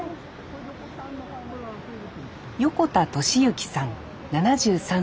横田利行さん７３歳。